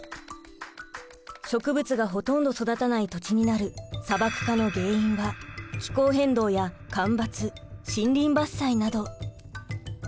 植物がほとんど育たない土地になる砂漠化の原因は気候変動や干ばつ森林伐採など。